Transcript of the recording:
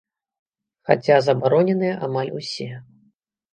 Хаця забароненыя амаль усе.